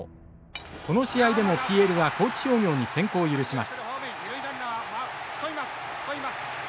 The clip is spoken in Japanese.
この試合でもＰＬは高知商業に先行を許します。